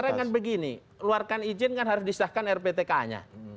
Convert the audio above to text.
karena kan begini luarkan izin kan harus disahkan rptka nya